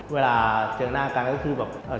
เวลาเจอหน้ากันก็คือแบบ